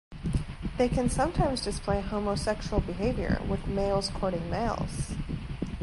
They can sometimes display homosexual behavior, with males courting males.